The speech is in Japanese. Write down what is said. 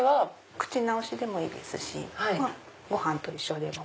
口直しでもいいですしご飯と一緒でも。